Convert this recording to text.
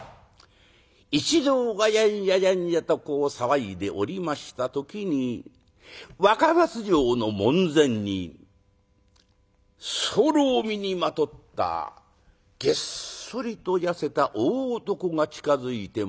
一同がやんややんやとこう騒いでおりました時に若松城の門前にそぼろを身にまとったげっそりと痩せた大男が近づいてまいります。